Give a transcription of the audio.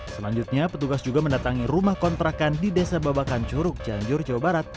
selanjutnya petugas juga mendatangi rumah kontrakan di desa babakan curug cianjur jawa barat